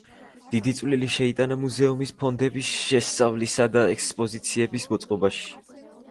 დიდი წვლილი შეიტანა მუზეუმის ფონდების შესწავლისა და ექსპოზიციების მოწყობაში.